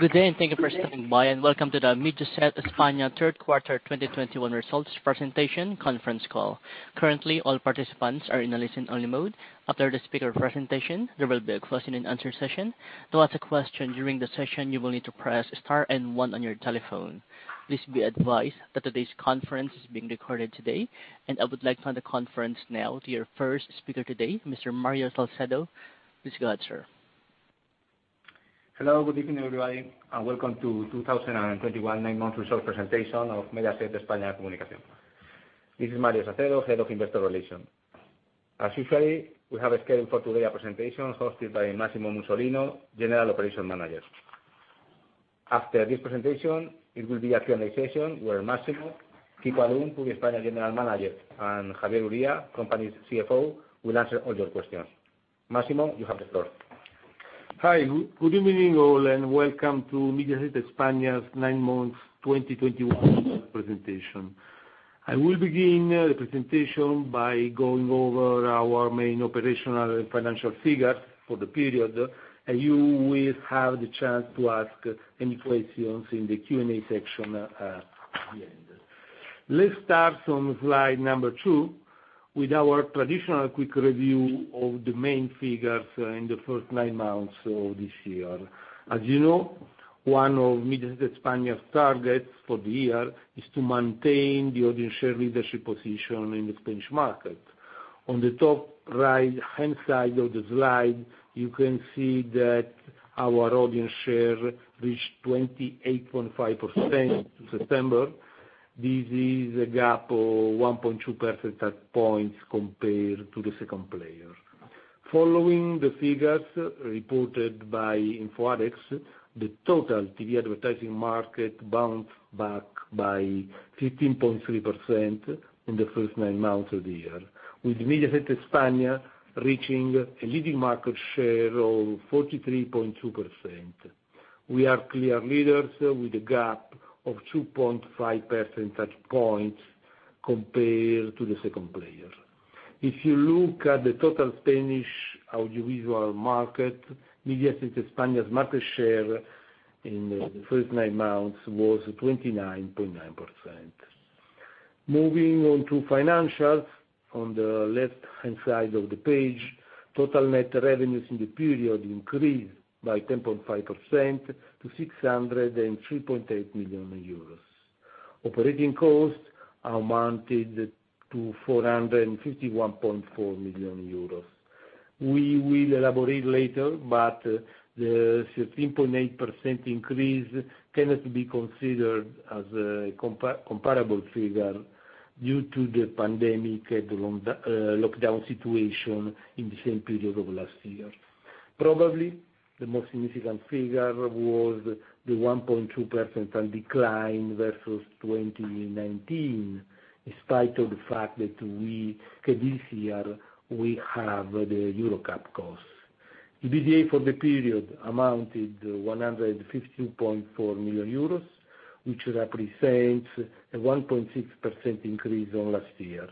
Good day and thank you for standing by and welcome to the Mediaset España third quarter 2021 results presentation conference call. Currently, all participants are in a listen-only mode. After the speaker presentation, there will be a question-and-answer session. To ask a question during the session, you will need to press star and one on your telephone. Please be advised that today's conference is being recorded today, and I would like to hand the conference now to your first speaker today, Mr. Mario Sacedo. Please go ahead, sir. Hello. Good evening, everybody, and welcome to 2021 nine months results presentation of Mediaset España Comunicación. This is Mario Sacedo, Head of Investor Relations. As usual, we have scheduled for today a presentation hosted by Massimo Musolino, General Operations Manager. After this presentation, it will be a Q&A session where Massimo, Quico Alum, Publiespaña General Manager, and Javier Uría, company's CFO, will answer all your questions. Massimo, you have the floor. Hi. Good evening all, and welcome to Mediaset España's nine months 2021 presentation. I will begin the presentation by going over our main operational and financial figures for the period. You will have the chance to ask any questions in the Q&A section at the end. Let's start on slide number two with our traditional quick review of the main figures in the first nine months of this year. As you know, one of Mediaset España's targets for the year is to maintain the audience share leadership position in the Spanish market. On the top right-hand side of the slide, you can see that our audience share reached 28.5% in September. This is a gap of 1.2 percentage points compared to the second player. Following the figures reported by InfoAdex, the total TV advertising market bounced back by 15.3% in the first nine months of the year, with Mediaset España reaching a leading market share of 43.2%. We are clear leaders with a gap of 2.5 percentage points compared to the second player. If you look at the total Spanish audiovisual market, Mediaset España's market share in the first nine months was 29.9%. Moving on to financials, on the left-hand side of the page, total net revenues in the period increased by 10.5% to 603.8 million euros. Operating costs amounted to 451.4 million euros. We will elaborate later, but the 13.8% increase cannot be considered as a comparable figure due to the pandemic and the long lockdown situation in the same period of last year. Probably, the most significant figure was the 1.2% decline versus 2019, in spite of the fact that this year, we have the EuroCup costs. EBITDA for the period amounted to 152.4 million euros, which represents a 1.6% increase on last year.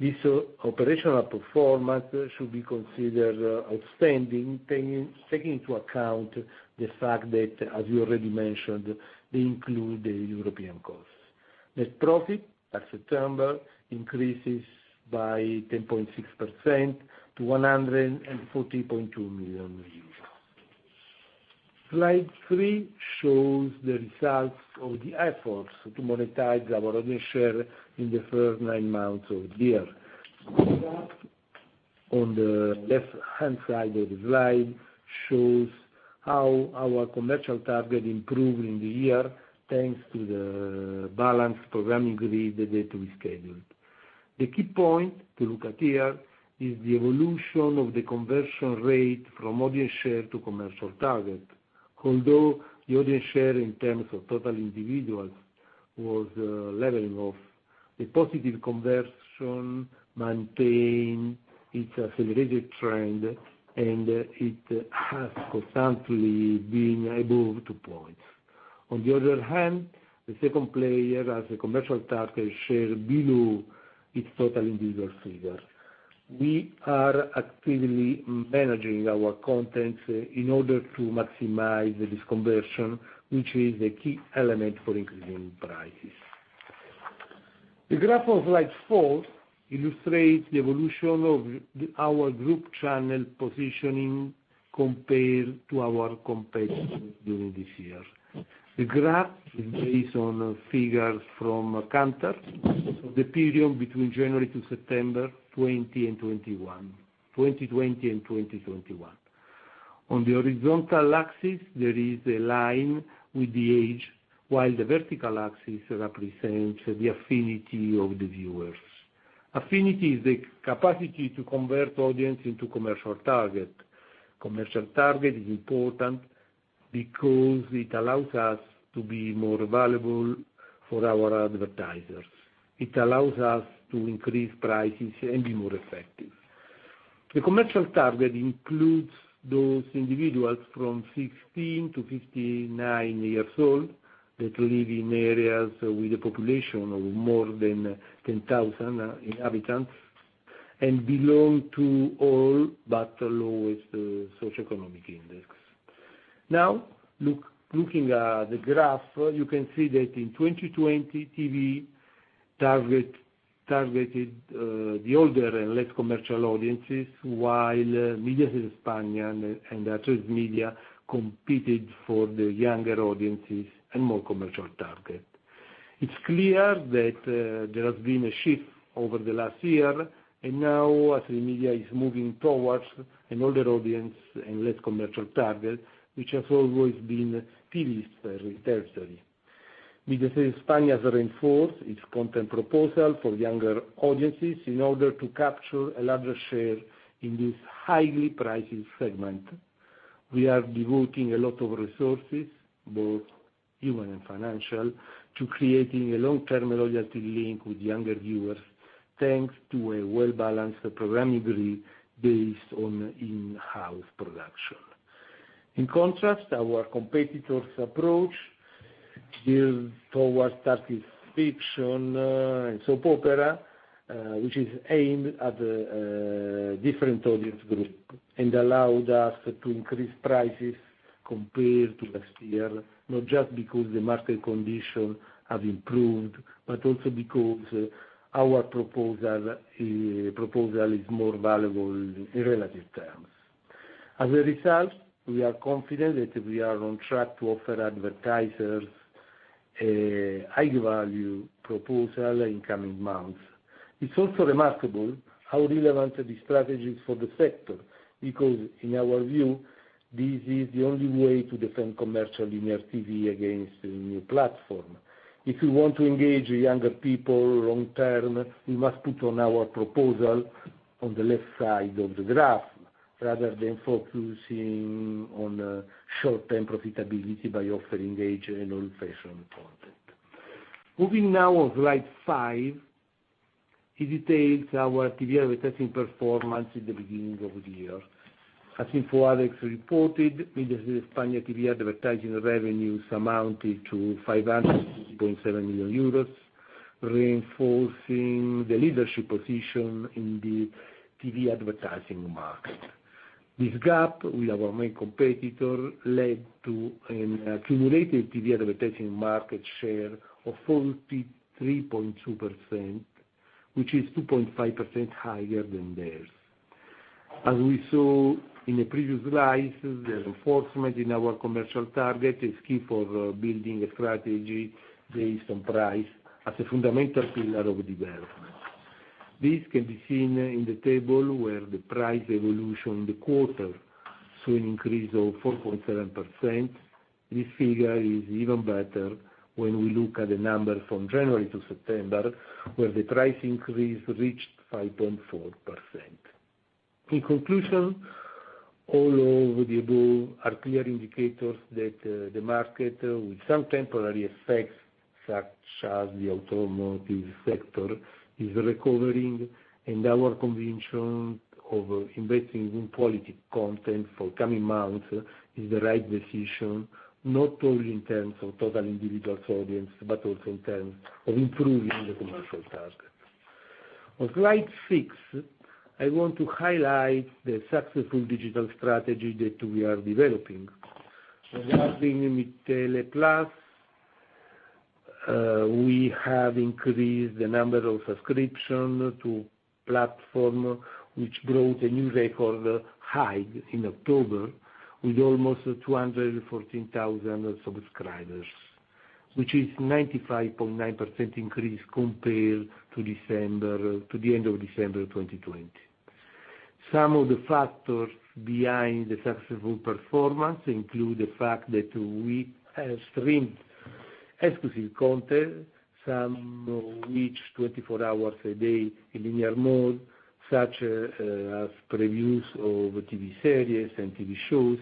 This operational performance should be considered outstanding, taking into account the fact that, as we already mentioned, they include the European costs. Net profit at September increases by 10.6% to EUR 114.2 million. Slide three shows the results of the efforts to monetize our audience share in the first nine months of the year. The graph on the left-hand side of the slide shows how our commercial target improved in the year, thanks to the balanced programming grid that we scheduled. The key point to look at here is the evolution of the conversion rate from audience share to commercial target. Although the audience share in terms of total individuals was leveling off, the positive conversion maintained its accelerated trend, and it has constantly been above 2 points. On the other hand, the second player has a commercial target share below its total individual figures. We are actively managing our content in order to maximize this conversion, which is a key element for increasing prices. The graph of slide four illustrates the evolution of our group channel positioning compared to our competitors during this year. The graph is based on figures from Kantar for the period between January to September 2020 and 2021. On the horizontal axis, there is a line with the age, while the vertical axis represents the affinity of the viewers. Affinity is the capacity to convert audience into commercial target. Commercial target is important because it allows us to be more valuable for our advertisers. It allows us to increase prices and be more effective. The commercial target includes those individuals from 16-59 years old that live in areas with a population of more than 10,000 inhabitants and belong to all but the lowest socioeconomic index. Now, look at the graph, you can see that in 2020, TV targeted the older and less commercial audiences, while Mediaset España and Atresmedia competed for the younger audiences and more commercial target. It's clear that there has been a shift over the last year, and now Atresmedia is moving towards an older audience and less commercial target, which has always been TV's territory. Mediaset España has reinforced its content proposal for younger audiences in order to capture a larger share in this highly prized segment. We are devoting a lot of resources, both human and financial, to creating a long-term loyalty link with younger viewers, thanks to a well-balanced programming grid based on in-house production. In contrast, our competitors' approach geared towards Turkish fiction and soap opera, which is aimed at a different audience group and allowed us to increase prices compared to last year, not just because the market condition has improved, but also because our proposal is more valuable in relative terms. As a result, we are confident that we are on track to offer advertisers a high-value proposal in coming months. It's also remarkable how relevant the strategy is for the sector, because in our view, this is the only way to defend commercial linear TV against the new platform. If we want to engage younger people long term, we must put on our proposal on the left side of the graph, rather than focusing on short-term profitability by offering aging and old-fashioned content. Moving now on slide five, it details our TV advertising performance at the beginning of the year. As InfoAdex reported, Mediaset España TV advertising revenues amounted to 557.4 million euros, reinforcing the leadership position in the TV advertising market. This gap with our main competitor led to an accumulated TV advertising market share of 43.2%, which is 2.5% higher than theirs. As we saw in the previous slides, the enforcement in our commercial target is key for building a strategy based on price as a fundamental pillar of development. This can be seen in the table where the price evolution in the quarter saw an increase of 4.7%. This figure is even better when we look at the numbers from January to September, where the price increase reached 5.4%. In conclusion, all of the above are clear indicators that the market, with some temporary effects, such as the automotive sector, is recovering, and our conviction of investing in quality content for coming months is the right decision, not only in terms of total individual audience, but also in terms of improving the commercial target. On slide six, I want to highlight the successful digital strategy that we are developing. Starting with Mitele Plus, we have increased the number of subscriptions to the platform, which broke a new record high in October with almost 214,000 subscribers, which is 95.9% increase compared to the end of December 2020. Some of the factors behind the successful performance include the fact that we have streamed exclusive content, some of which 24 hours a day in linear mode, such as previews of TV series and TV shows.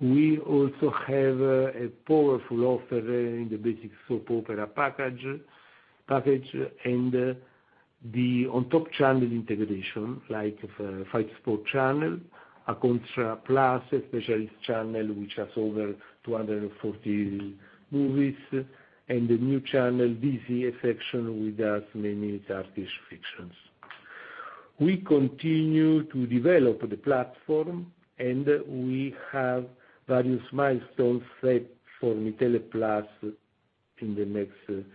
We also have a powerful offer in the basic soap opera package and the on-top channel integration, like Fight Sports channel, Acontra+, a specialist channel which has over 240 movies, and a new channel, Dizi section, with as many Turkish fictions. We continue to develop the platform, and we have various milestones set for Mitele Plus in the next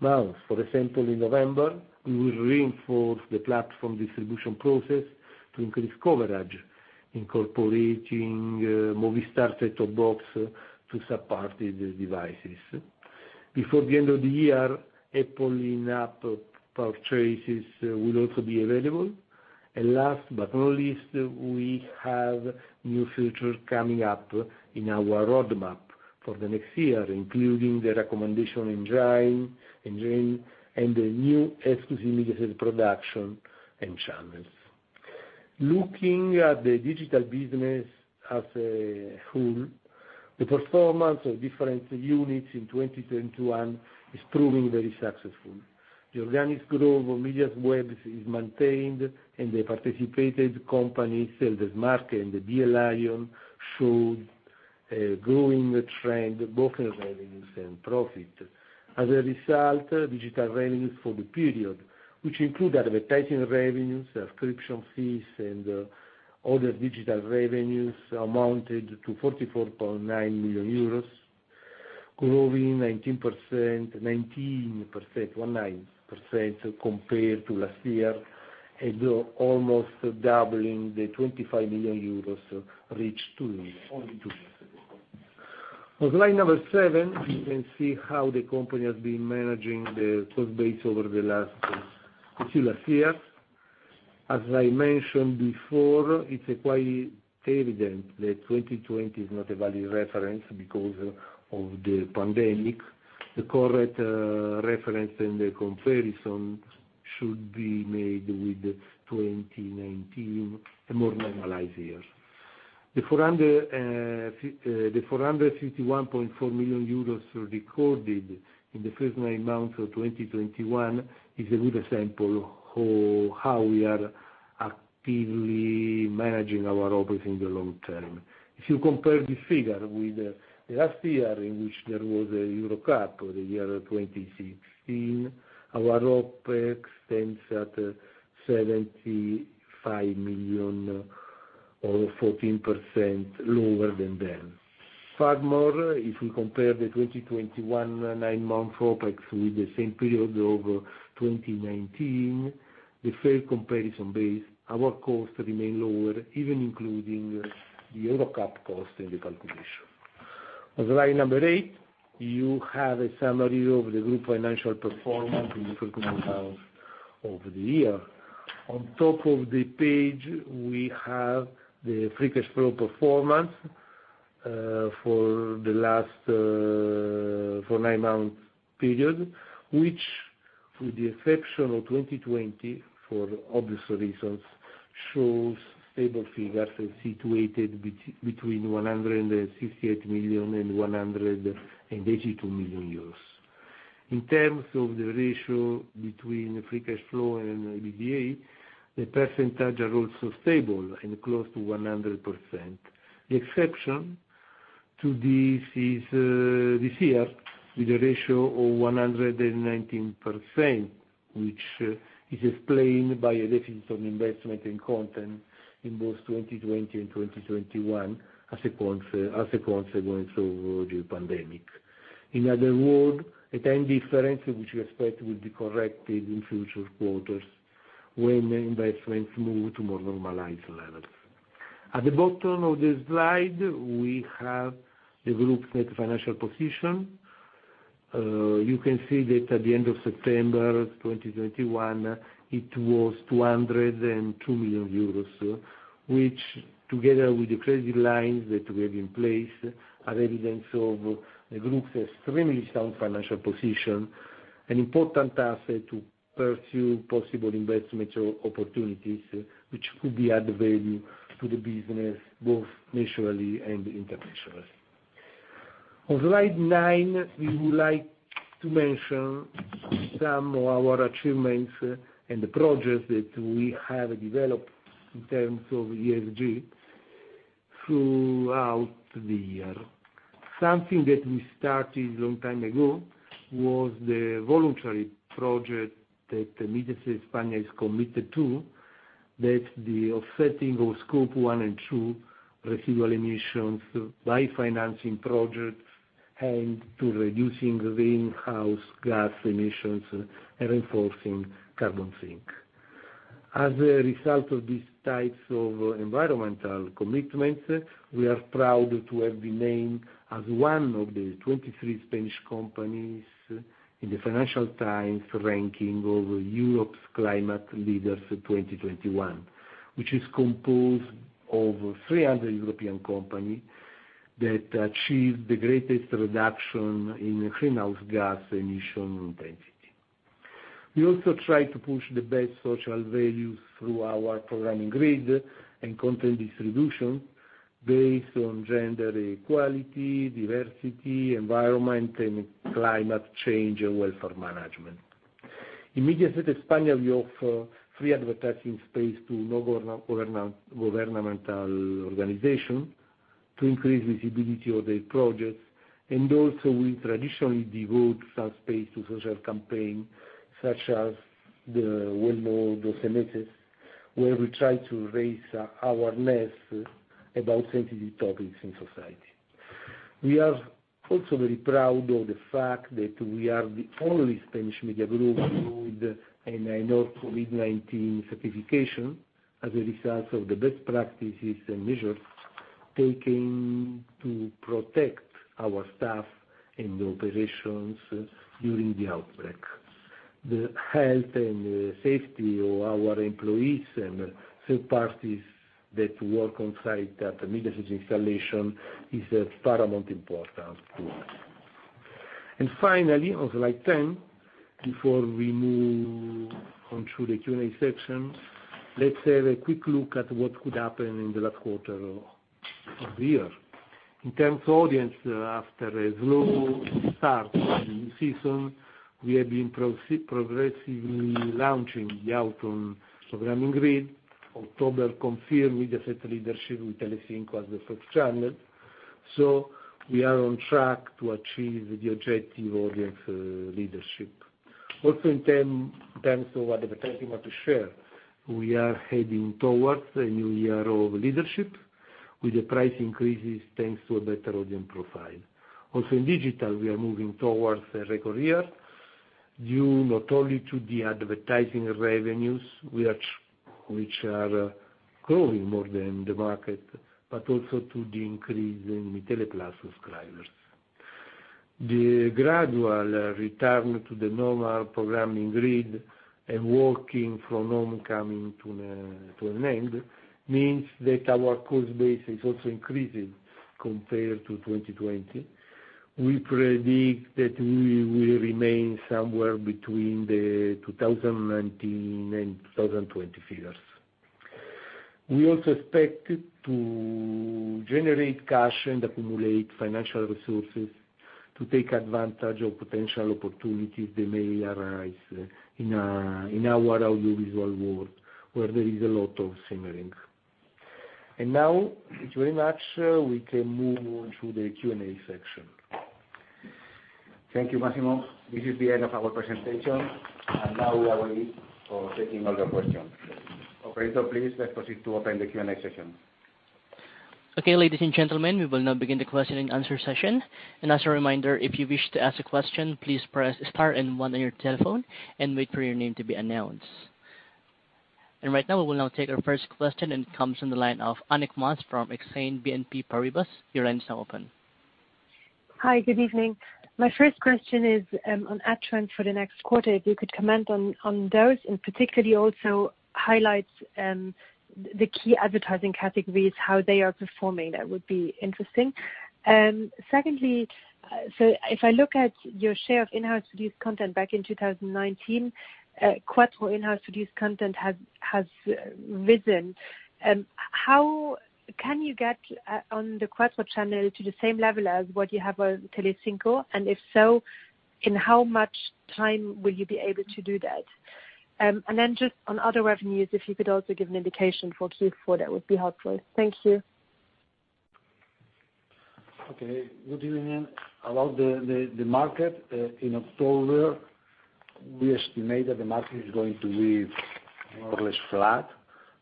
months. For example, in November, we will reinforce the platform distribution process to increase coverage, incorporating Movistar set-top box to third-party devices. Before the end of the year, Apple in-app purchases will also be available. Last but not least, we have new features coming up in our roadmap for the next year, including the recommendation engine and the new exclusive Mediaset production and channels. Looking at the digital business as a whole, the performance of different units in 2021 is proving very successful. The organic growth of Mediaset web is maintained, and the participated company, ElDesmarque and Be a Lion, showed a growing trend, both in revenues and profit. As a result, digital revenues for the period, which include advertising revenues, subscription fees, and other digital revenues, amounted to 44.9 million euros, growing 19% compared to last year, and almost doubling the 25 million euros reached two years, only two years ago. On slide number seven, you can see how the company has been managing the cost base over the last, actually last year. As I mentioned before, it's quite evident that 2020 is not a valid reference because of the pandemic. The correct reference and the comparison should be made with 2019, a more normalized year. The 451.4 million euros recorded in the first nine months of 2021 is a good example of how we are actively managing our operations in the long term. If you compare this figure with the last year in which there was a EuroCup, or the year 2016, our OpEx stands at 75 million or 14% lower than then. Furthermore, if we compare the 2021 nine-month OpEx with the same period of 2019, the fair comparison base, our costs remain lower, even including the EuroCup cost in the calculation. On slide number eight, you have a summary of the group financial performance in the first nine months of the year. On top of the page, we have the free cash flow performance for the last nine-month period, which with the exception of 2020, for obvious reasons, shows stable figures situated between 168 million and 182 million euros. In terms of the ratio between free cash flow and EBITDA, the percentage are also stable and close to 100%. The exception to this is this year, with a ratio of 119%, which is explained by a deficit on investment in content in both 2020 and 2021 as a consequence of the pandemic. In other words, a time difference which we expect will be corrected in future quarters when investments move to more normalized levels. At the bottom of the slide, we have the group's net financial position. You can see that at the end of September 2021, it was 202 million euros, which, together with the credit lines that we have in place, are evidence of the group's extremely sound financial position, an important asset to pursue possible investment opportunities which could add value to the business, both nationally and internationally. On slide nine, we would like to mention some of our achievements and the projects that we have developed in terms of ESG throughout the year. Something that we started long time ago was the voluntary project that Mediaset España is committed to, that's the offsetting of Scope 1 and 2 residual emissions by financing projects aimed to reducing greenhouse gas emissions and enforcing carbon sink. As a result of these types of environmental commitments, we are proud to have been named as one of the 23 Spanish companies in the Financial Times ranking of Europe's Climate Leaders for 2021, which is composed of 300 European companies that achieved the greatest reduction in greenhouse gas emission intensity. We also try to push the best social values through our programming grid and content distribution based on gender equality, diversity, environment and climate change, and welfare management. In Mediaset España, we offer free advertising space to non-governmental organization to increase visibility of their projects, and also, we traditionally devote some space to social campaign, such as the 12 Meses, where we try to raise awareness about sensitive topics in society. We are also very proud of the fact that we are the only Spanish media group with an ISO COVID-19 certification as a result of the best practices and measures taken to protect our staff and operations during the outbreak. The health and safety of our employees and third parties that work on site at the Mediaset installation is of paramount importance to us. Finally, on slide 10, before we move on to the Q&A section, let's have a quick look at what could happen in the last quarter of the year. In terms of audience, after a slow start to the new season, we have been progressively launching the autumn programming grid. October confirmed Mediaset leadership with Telecinco as the first channel. We are on track to achieve the objective audience leadership. Also in terms of advertising share, we are heading towards a new year of leadership with the price increases thanks to a better audience profile. Also, in digital, we are moving towards a record year due not only to the advertising revenues, which are growing more than the market, but also to the increase in the Mitele Plus subscribers. The gradual return to the normal programming grid and working from home coming to an end, means that our cost base is also increasing compared to 2020. We predict that we will remain somewhere between the 2019 and 2020 figures. We also expect to generate cash and accumulate financial resources to take advantage of potential opportunities that may arise in our audiovisual world where there is a lot of simmering. Now thank you very much, we can move on to the Q&A section. Thank you, Massimo. This is the end of our presentation, and now we are ready for taking all your questions. Operator, please let's proceed to open the Q&A session. Okay, ladies and gentlemen, we will now begin the question-and-answer session. As a reminder, if you wish to ask a question, please press star and one on your telephone and wait for your name to be announced. Right now, we will now take our first question, and it comes from the line of Annick Maas from Exane BNP Paribas. Your line is now open. Hi, good evening. My first question is on ad trends for the next quarter. If you could comment on those, and particularly also highlights the key advertising categories, how they are performing, that would be interesting. Secondly, if I look at your share of in-house produced content back in 2019, Cuatro in-house produced content has risen. How can you get on the Cuatro channel to the same level as what you have on Telecinco? And if so, in how much time will you be able to do that? Just on other revenues, if you could also give an indication for Q4, that would be helpful. Thank you. Okay. Good evening. About the market in October, we estimate that the market is going to be more or less flat,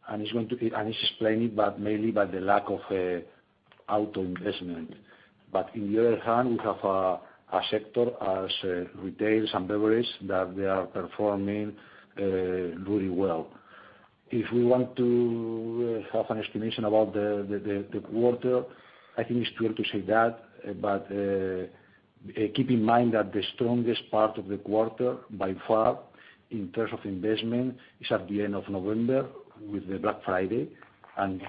and it's explained mainly by the lack of auto investment. On the other hand, we have sectors such as retail and beverages that they are performing really well. If we want to have an estimation about the quarter, I think it's too early to say that. Keep in mind that the strongest part of the quarter, by far, in terms of investment, is at the end of November with the Black Friday.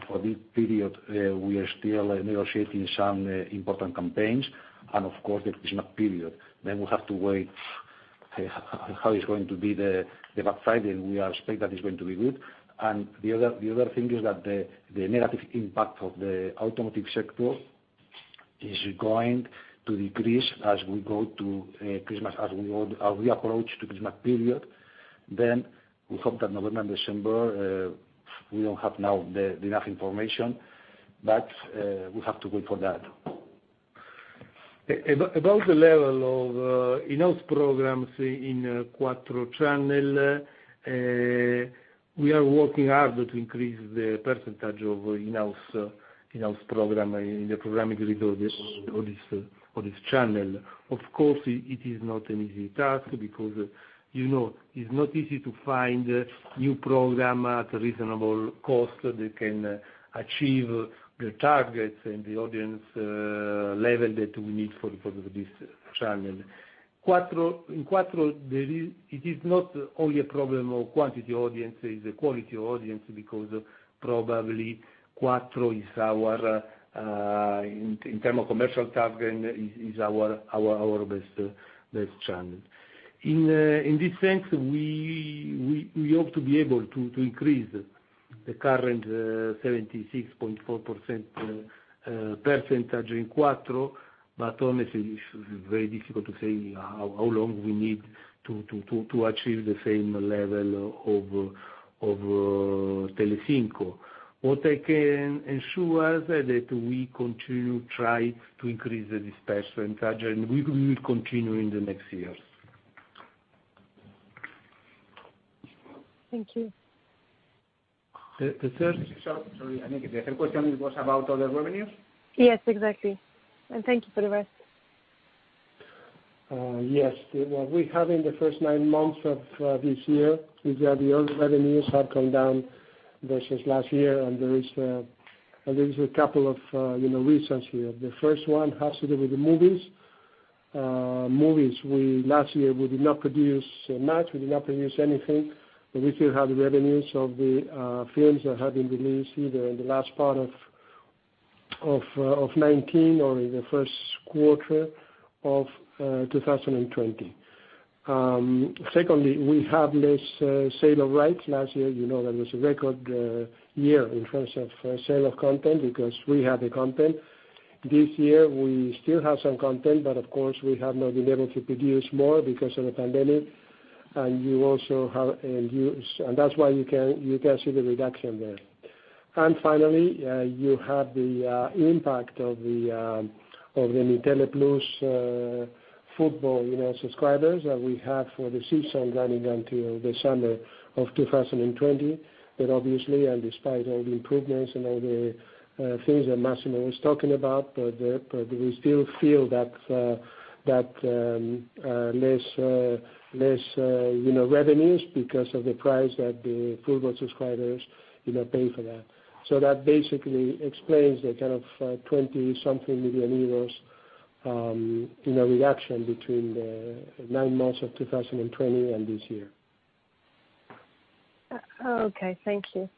For this period, we are still negotiating some important campaigns and of course the Christmas period. We have to wait how is going to be the Black Friday. We expect that it's going to be good. The other thing is that the negative impact of the automotive sector is going to decrease as we go to Christmas, as we approach the Christmas period. We hope that November and December, we don't have enough information now, but we have to wait for that. About the level of in-house programs in Cuatro channel, we are working hard to increase the percentage of in-house program in the programming grid of this channel. Of course, it is not an easy task because, you know, it's not easy to find new program at a reasonable cost that can achieve the targets and the audience level that we need for this channel. In Cuatro, there is not only a problem of quantity of audience, it's the quality of audience because probably Cuatro is our, in terms of commercial target, is our best channel. In this sense, we hope to be able to increase the current 76.4% in Cuatro. Honestly, it's very difficult to say how long we need to achieve the same level of Telecinco. What I can ensure that we continue try to increase the dispatch percentage, and we will continue in the next years. Thank you. The, the third, sorry, Annick. The third question was about other revenues? Yes, exactly. Thank you for the rest. Yes. What we have in the first nine months of this year is that the other revenues have come down versus last year. There is a couple of, you know, reasons here. The first one has to do with the movies. Last year, we did not produce much. We did not produce anything. We still have the revenues of the films that have been released either in the last part of 2019 or in the first quarter of 2020. Secondly, we have less sale of rights. Last year, you know, that was a record year in terms of sale of content because we have the content. This year, we still have some content, but of course, we have not been able to produce more because of the pandemic. You also have, and that's why you can see the reduction there. Finally, you have the impact of the Mitele Plus football, you know, subscribers that we have for the season running until the summer of 2020. Obviously, despite all the improvements and all the things that Massimo was talking about, we still feel that less revenues because of the price that the football subscribers, you know, pay for that. That basically explains the kind of 20-something million euros in a reduction between the nine months of 2020 and this year. Okay. Thank you.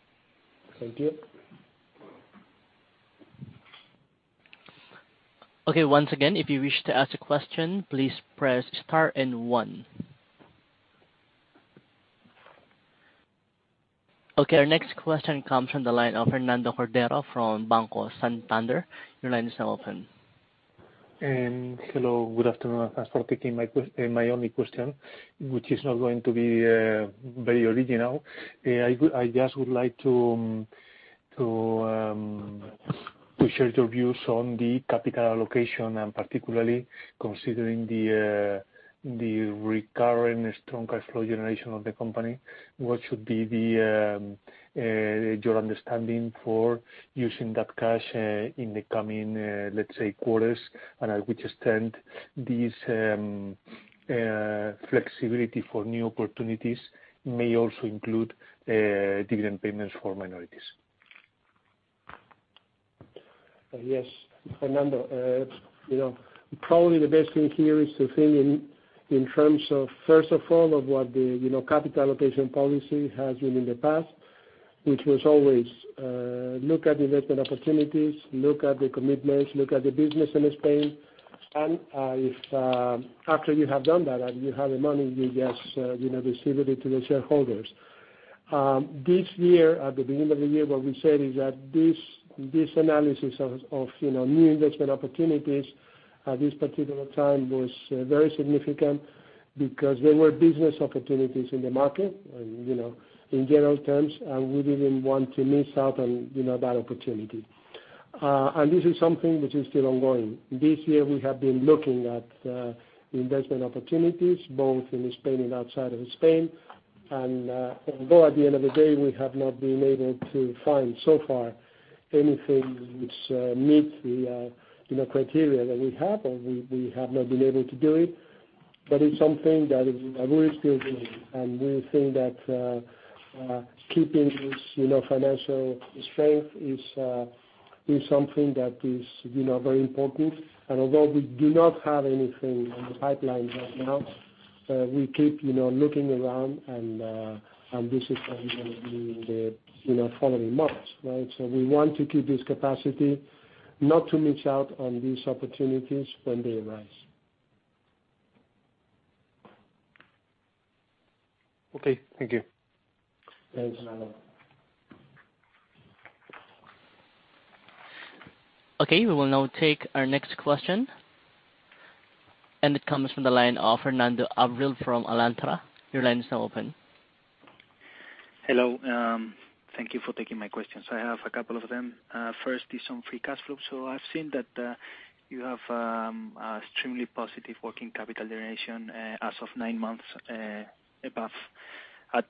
Thank you. Okay. Once again, if you wish to ask a question, please press star and one. Okay. Our next question comes from the line of Fernando Cordero from Banco Santander. Your line is now open. Hello. Good afternoon. Thanks for taking my only question, which is not going to be very original. I would just like to share your views on the capital allocation and particularly considering the recurring strong cash flow generation of the company. What should be your understanding for using that cash in the coming, let's say, quarters? To which extent this flexibility for new opportunities may also include dividend payments for minorities? Yes. Fernando, you know, probably the best thing here is to think, in terms of, first of all, of what the capital allocation policy has been in the past, which was always look at investment opportunities, look at the commitments, look at the business in Spain. If after you have done that and you have the money, you just, you know, distribute it to the shareholders. This year, at the beginning of the year, what we said is that this analysis of you know, new investment opportunities at this particular time was very significant because there were business opportunities in the market and you know, in general terms, and we didn't want to miss out on you know that opportunity. This is something which is still ongoing. This year, we have been looking at investment opportunities both in Spain and outside of Spain. Although at the end of the day, we have not been able to find, so far, anything which meets the, you know, criteria that we have, and we have not been able to do it, but it's something that we are still doing. We think that keeping this you know, financial strength is something that is you know, very important. Although we do not have anything in the pipeline right now, we keep you know, looking around and this is something that we will do in the you know, following months, right? We want to keep this capacity not to miss out on these opportunities when they arise. Okay. Thank you. Thanks, Fernando. Okay. We will now take our next question, and it comes from the line of Fernando Abril from Alantra. Your line is now open. Hello. Thank you for taking my questions. I have a couple of them. First is on free cash flow. I've seen that you have extremely positive working capital generation as of nine months at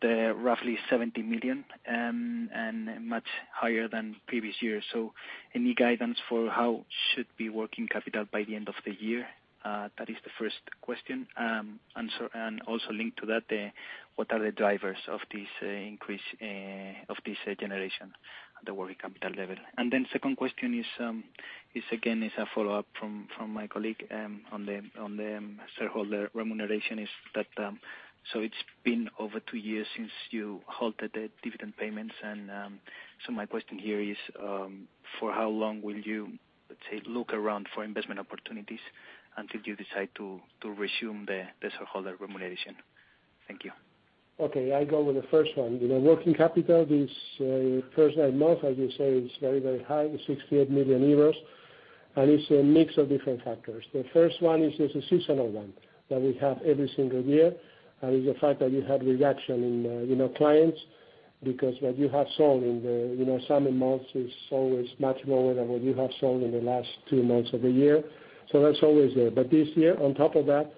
roughly 70 million and much higher than previous years. Any guidance for how should the working capital be by the end of the year? That is the first question. And also linked to that, what are the drivers of this increase of this generation at the working capital level? Second question is again a follow-up from my colleague on the shareholder remuneration. It's been over two years since you halted the dividend payments and my question here is, for how long will you, let's say, look around for investment opportunities until you decide to resume the shareholder remuneration? Thank you. Okay. I go with the first one. You know, working capital this first nine months, as you say, is very, very high, 68 million euros, and it's a mix of different factors. The first one is it's a seasonal one that we have every single year. It's the fact that you have reduction in, you know, clients because what you have sold in the, you know, summer months is always much more than what you have sold in the last two months of the year. That's always there. This year, on top of that,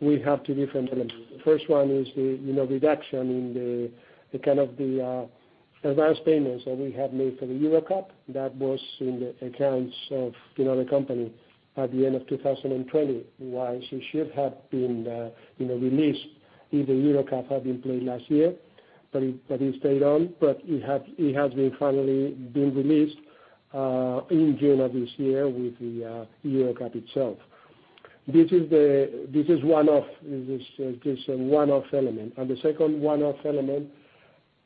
we have two different elements. The first one is the, you know, reduction in the kind of advance payments that we had made for the EuroCup. That was in the accounts of, you know, the company at the end of 2020, while it should have been, you know, released if the EuroCup had been played last year. It stayed on. It has been finally released in June of this year with the EuroCup itself. This is one-off. This is just a one-off element. The second one-off element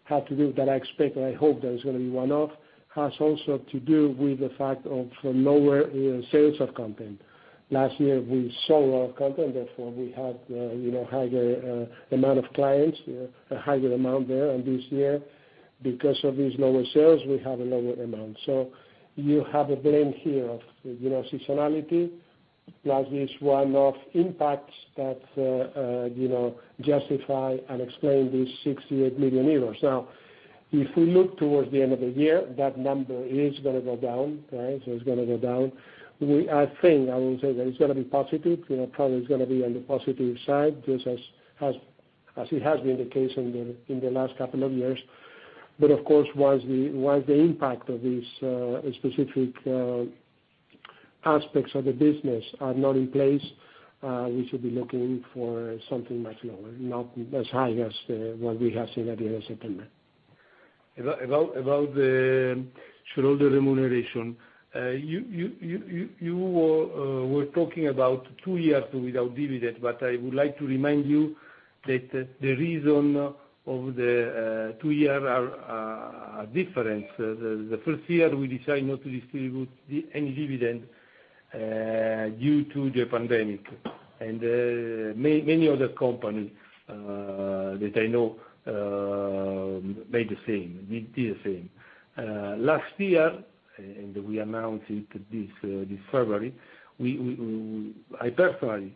had to do, that I expect, and I hope that it's gonna be one-off, has also to do with the fact of lower, you know, sales of content. Last year, we sold our content, therefore we had, you know, higher amount of clients, a higher amount there. This year, because of these lower sales, we have a lower amount. You have a blend here of, you know, seasonality plus this one-off impact that, you know, justify and explain these 68 million euros. Now, if we look towards the end of the year, that number is gonna go down, okay? It's gonna go down. I think, I will say that it's gonna be positive. You know, probably it's gonna be on the positive side, just as it has been the case in the last couple of years. But of course, once the impact of these specific aspects of the business are not in place, we should be looking for something much lower, not as high as what we have seen at the end of September. About the shareholder remuneration, you were talking about two years without dividend, but I would like to remind you that the reason of the two year are different. The first year, we decided not to distribute any dividend due to the pandemic. Many other companies that I know made the same, did the same. Last year, and we announced it this February, I personally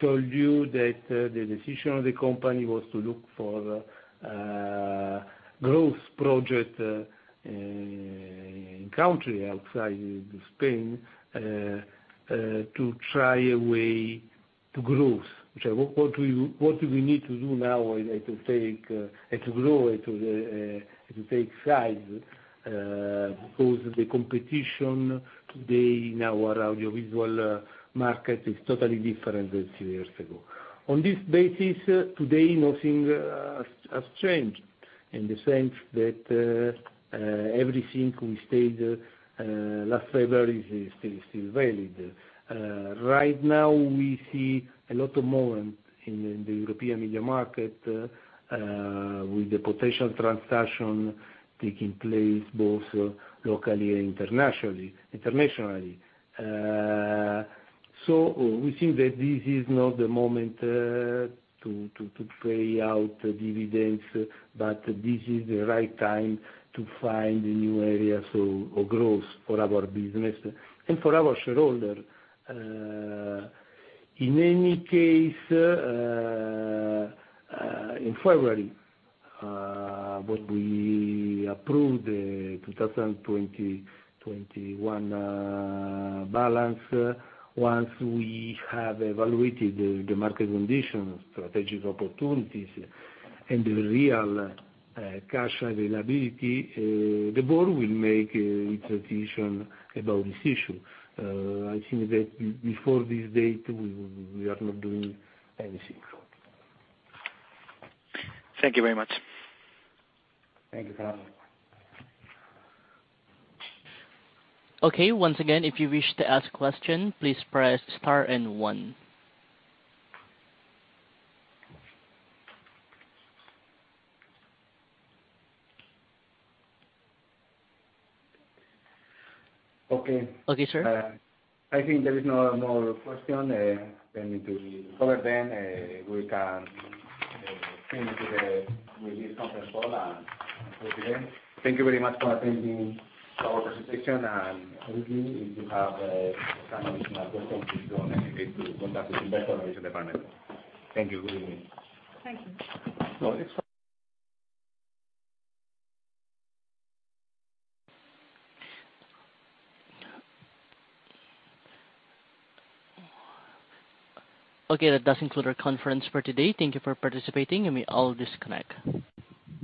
told you that the decision of the company was to look for growth project in country outside Spain to try a way to growth. What we need to do now is to take sides, because the competition today in our audiovisual market is totally different than two years ago. On this basis, today nothing has changed in the sense that everything we said last February is still valid. Right now we see a lot of movement in the European media market with the potential transaction taking place both locally and internationally. We think that this is not the moment to pay out dividends, but this is the right time to find new areas of growth for our business and for our shareholder. In any case, in February, when we approve the 2021 balance, once we have evaluated the market conditions, strategic opportunities, and the real cash availability, the board will make its decision about this issue. I think that before this date, we are not doing anything. Thank you very much. Thank you. Okay. Once again, if you wish to ask a question, please press star and one. Okay. Okay, sir. I think there is no more question than to be covered, then we can end today with this conference call and until today. Thank you very much for attending our presentation. As usual, if you have any additional questions, feel free to contact the investor relations department. Thank you. Good evening. Thank you. Okay. That does conclude our conference for today. Thank you for participating, you may all disconnect.